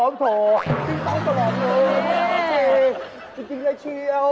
จริงต้องตลอดมือจริงได้เชี่ยว